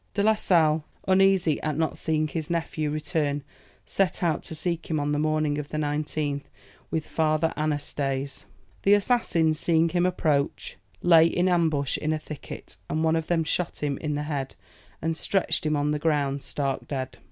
De la Sale, uneasy at not seeing his nephew return, set out to seek him on the morning of the 19th, with Father Anastase. The assassins, seeing him approach, lay in ambush in a thicket, and one of them shot him in the head, and stretched him on the ground stark dead.